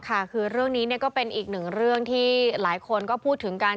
ค่ะคือเรื่องนี้ก็เป็นอีกหนึ่งเรื่องที่หลายคนก็พูดถึงกัน